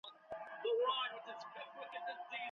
د ښووني پوهنځۍ پرته له پلانه نه پراخیږي.